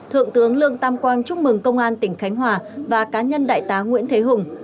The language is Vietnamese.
thượng tướng lương tam quang chúc mừng công an tỉnh khánh hòa và cá nhân đại tá nguyễn thế hùng